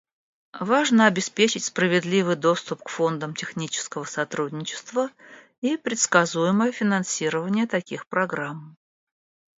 Важно обеспечить справедливый доступ к фондам технического сотрудничества и предсказуемое финансирование таких программ.